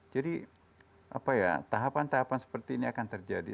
jadi tahapan tahapan seperti ini akan terjadi